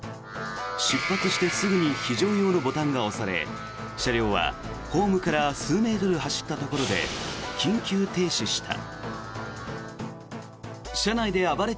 出発してすぐに非常用のボタンが押され車両はホームから数メートル走ったところで緊急停止した。